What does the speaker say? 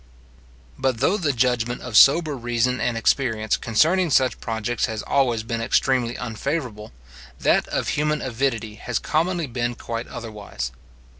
But though the judgment of sober reason and experience concerning such projects has always been extremely unfavourable, that of human avidity has commonly been quite otherwise.